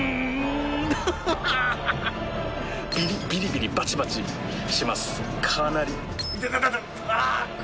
ビリビリバチバチしますかなり。